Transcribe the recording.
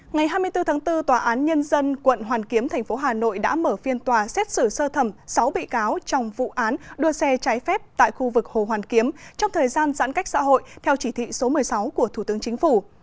ngày hai mươi bốn tháng bốn tòa án nhân dân quận hoàn kiếm thành phố hà nội đã mở phiên tòa xét xử sơ thẩm sáu bị cáo trong vụ án đua xe trái phép tại khu vực hồ hoàn kiếm trong thời gian giãn cách xã hội theo chỉ thị số một mươi sáu của thủ tướng chính phủ